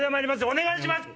お願いします